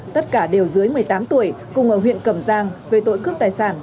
tất cả đều dưới một mươi tám tuổi cùng ở huyện cẩm giang về tội cướp tài sản